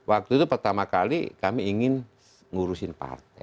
waktu itu pertama kali kami ingin ngurusin partai